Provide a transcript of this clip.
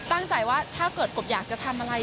ตั้งใจว่าถ้าเกิดกบอยากจะทำอะไร